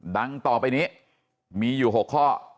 ดังต่อไปนี้มีอยู่๖ข้อ